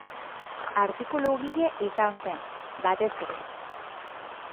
Artikulugile izan zen, batez ere.